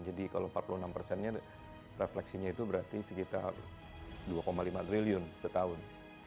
jadi kalau empat puluh enam nya refleksinya itu berarti sekitar dua lima triliun setahun